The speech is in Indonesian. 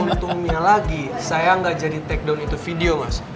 untungnya lagi saya gak jadi takedown itu video mas